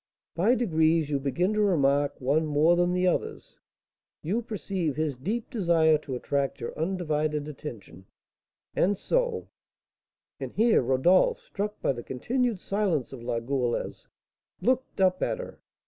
By degrees you begin to remark one more than the others; you perceive his deep desire to attract your undivided attention, and so " And here Rodolph, struck by the continued silence of La Goualeuse, looked up at her.